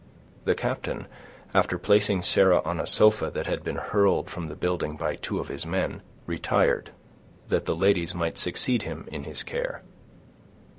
The captain, after placing Sarah on a sofa that had been hurled from the building by two of his men, retired, that the ladies might succeed him in his care.